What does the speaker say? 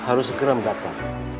lo harus segera mendaftar